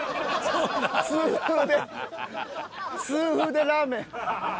痛風で痛風でラーメン。